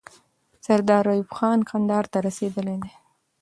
سردار ایوب خان کندهار ته رسیدلی دی.